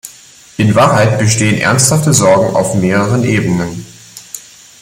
In Wahrheit bestehen ernsthafte Sorgen auf mehreren Ebenen.